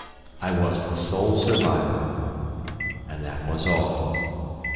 I was the sole survivor, and that was all.